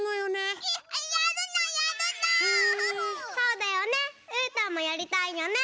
そうだよねうーたんもやりたいよね。